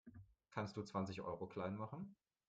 Kannst du zwanzig Euro klein machen?